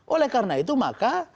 oleh karena itu maka